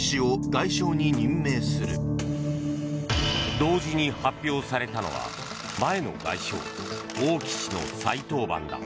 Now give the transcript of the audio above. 同時に発表されたのは前の外相、王毅氏の再登板だ。